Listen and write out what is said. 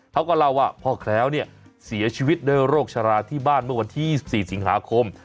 เพราะว่าเราอะพ่อแคล้วเนี่ยเสียชีวิตโดยโรคชาราที่บ้านเมื่อวันที่๒๔สิงหาคม